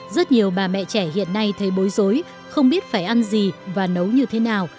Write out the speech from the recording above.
rất nhiều bà mẹ trẻ hiện nay thấy bối rối không biết phải ăn gì và nấu như thế nào